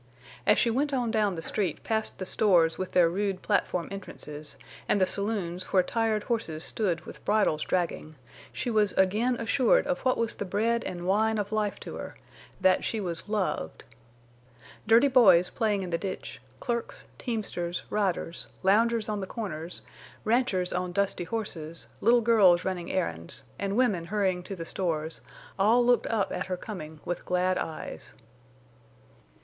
As she went on down the street past the stores with their rude platform entrances, and the saloons where tired horses stood with bridles dragging, she was again assured of what was the bread and wine of life to her—that she was loved. Dirty boys playing in the ditch, clerks, teamsters, riders, loungers on the corners, ranchers on dusty horses, little girls running errands, and women hurrying to the stores all looked up at her coming with glad eyes.